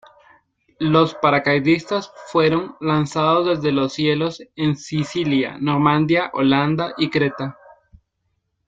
Los paracaidistas fueron lanzados desde los cielos en Sicilia, Normandía, Holanda y Creta.